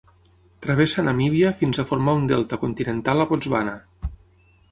Travessa Namíbia fins a formar un delta continental a Botswana.